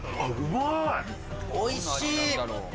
おいしい！